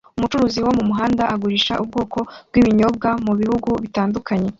Umucuruzi wo mumuhanda agurisha ubwoko bwibinyobwa mubihugu bitandukanye